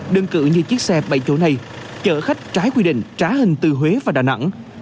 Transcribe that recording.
đơn cử như chiếc xe bảy chỗ này chở khách trái quy định trá hình từ huế và đà nẵng